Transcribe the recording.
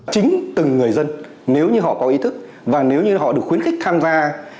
chính từng người dân nếu như họ có ý thức và nếu như họ được khuyến khích tham gia